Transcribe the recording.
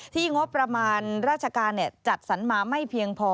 งบประมาณราชการจัดสรรมาไม่เพียงพอ